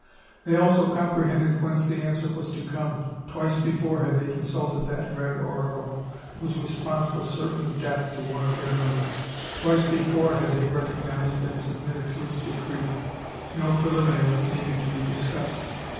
They also comprehended whence the answer was to come. Twice before had they consulted that dread oracle, whose response was certain death to one of their number. Twice before had they recognised and submitted to its decree. No preliminaries needed to be discussed.